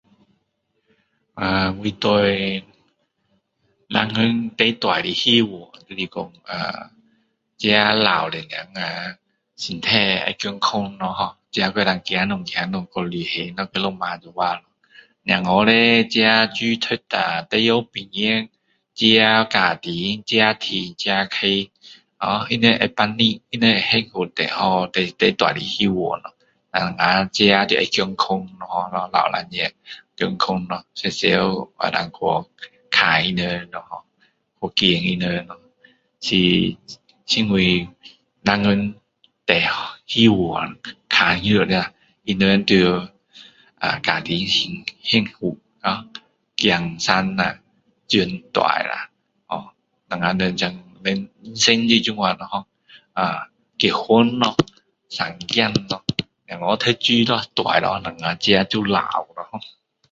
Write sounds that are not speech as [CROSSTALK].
ahh 我对，往后最大的希望就是说[ahh]自己老的时候啊，身体会健康了哦，自己还可以走来走去旅行咯跟老婆一起。小孩呢，自己书读一下，大学毕业，自己家庭，自己赚钱自己开。噢，他们会整齐，他们会幸福最好是大最大的希望咯。我们自己要有健康咯，老两个健康咯。常常挽着去旅游看他们了哦，去见他们了哦，是，是我w往后希望看到的。他们家庭幸福，孩生下，养大了。[ahh]，我自己 [UNINTELLIGIBLE] 人生就是这样咯，[ahh]结婚咯，生孩咯，小孩读书咯，大了我们自己就老了[har]。